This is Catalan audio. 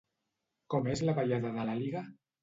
Com és la ballada de l'Àliga?